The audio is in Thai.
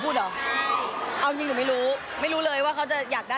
ก็คงจะไปคุยกันเอาเอง